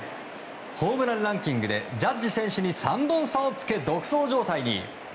ホームランランキングでジャッジ選手に３本差をつけ独走状態に。